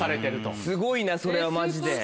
すごいなそれはマジで。